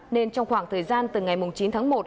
nên trong khoảng thời gian từ ngày chín tháng một